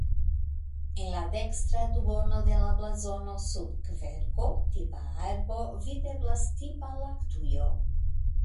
En la dekstra duono de la blazono sub kverko (tipa arbo) videblas tipa laktujo.